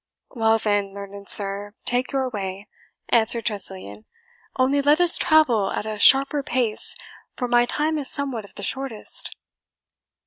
"Well, then, learned sir, take your way," answered Tressilian; "only let us travel at a sharper pace, for my time is somewhat of the shortest."